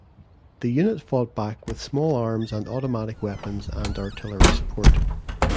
The unit fought back with small arms and automatic weapons and artillery support.